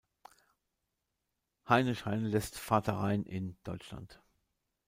Heinrich Heine lässt „Vater Rhein“ in "Deutschland.